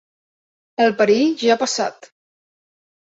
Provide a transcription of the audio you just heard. El perill ja ha passat.